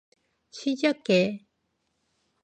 시작해.